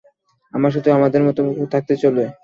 আমরা শুধু আমাদের মতো থাকতে চাই।